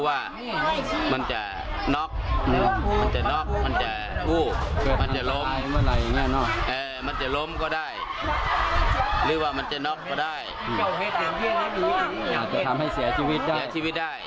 อาจจะทำให้เสียชีวิตได้